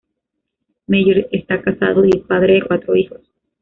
Meyer está casado y es padre de cuatro hijos.